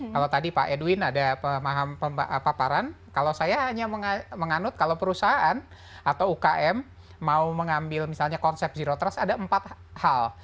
kalau tadi pak edwin ada pemaham paparan kalau saya hanya menganut kalau perusahaan atau ukm mau mengambil misalnya konsep zero trust ada empat hal